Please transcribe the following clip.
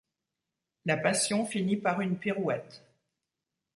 La passion finit par une pirouette ;